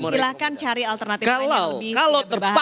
silahkan cari alternatif lain yang lebih berbahaya